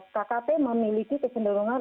kkp memiliki kesendirian